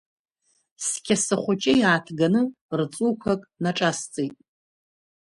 Сқьаса хәыҷы иааҭганы, рҵуқәак наҿасҵеит.